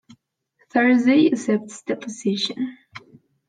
Thursday accepts the position.